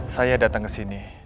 saya datang ke sini